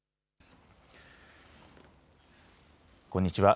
こんにちは。